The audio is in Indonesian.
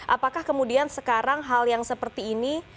apakah kemudian sekarang hal yang seperti ini